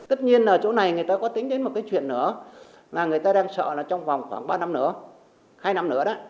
tất nhiên ở chỗ này người ta có tính đến một cái chuyện nữa là người ta đang sợ là trong vòng khoảng ba năm nữa hai năm nữa đó